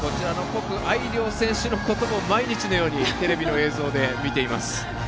谷愛凌選手のことも毎日のようにテレビの映像で見ています。